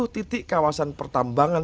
sepuluh titik kawasan pertambangan